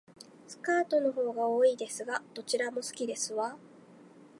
スカートの方が多いですが、どちらも好きですわ